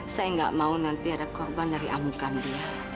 saya nggak mau nanti ada korban dari amukan dia